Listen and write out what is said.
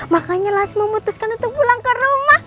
makanya las memutuskan untuk pulang ke rumah